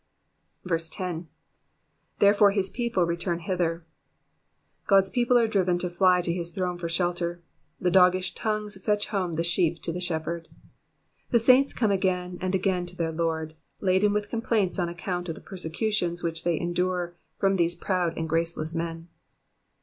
10. ''''Therefore his people return hither,'''' God's people are driven to fly to his throne for shelter ; the doggish tongues fetch home the sheep to the Shep herd. The saints come again, and again, to their Lord, laden with complaints on account of the persecutions which they endure from th&se proud and graceless men.